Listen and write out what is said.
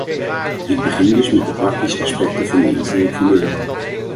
Ik begin dus met de praktische aspecten van de invoering van de euro.